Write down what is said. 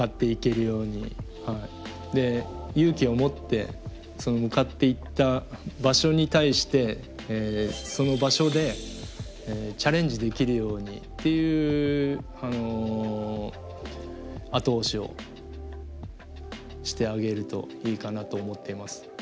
で勇気を持ってその向かっていった場所に対してその場所でチャレンジできるようにっていう後押しをしてあげるといいかなと思っています。